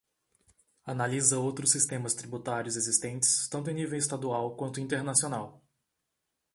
Analisa outros sistemas tributários existentes tanto em nível estadual quanto internacional.